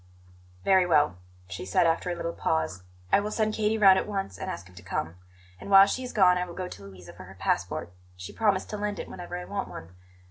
"Very well," she said, after a little pause; "I will send Katie round at once and ask him to come; and while she is gone I will go to Louisa for her passport; she promised to lend it whenever I want one.